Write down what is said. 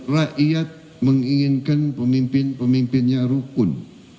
rakyat menginginkan pemimpin pemimpinnya rukun